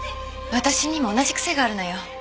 私にも同じ癖があるのよ。